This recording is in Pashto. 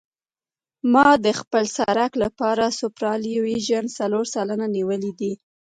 ما د خپل سرک لپاره سوپرایلیویشن څلور سلنه نیولی دی